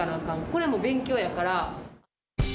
これはもう勉強やから。